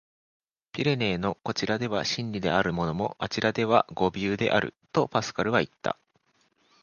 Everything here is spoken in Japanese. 「ピレネーのこちらでは真理であるものも、あちらでは誤謬である」、とパスカルはいった。